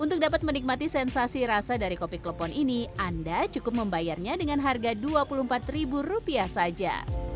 untuk dapat menikmati sensasi rasa dari kopi klepon ini anda cukup membayarnya dengan harga dua puluh empat saja